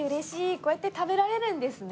こうやって食べられるんですね。